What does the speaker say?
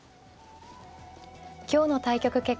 今日の対局結果です。